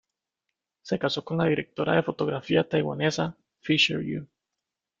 Se casó con la directora de fotografía taiwanesa Fisher Yu.